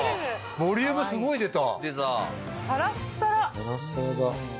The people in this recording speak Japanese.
ボリュームすごい出た。